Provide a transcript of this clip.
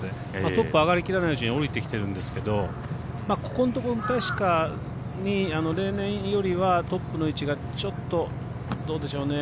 トップ上がりきらないうちに下りてきてるんですけどここのところ確かに例年よりはトップの位置がちょっとどうでしょうね